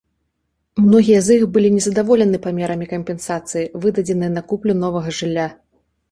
Многія з іх былі незадаволены памерам кампенсацыі, выдадзенай на куплю новага жылля.